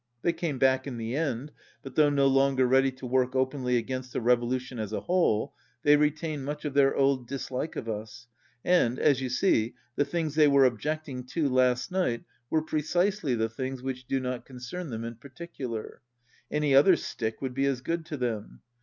They came back in the end, but though no longer ready to work openly against the revolution as a whole, they re tain much of their old dislike of us, and, as you see, the things they were objecting to last night were precisely the things which do not concern them in particular. Any other stick would be as good to them.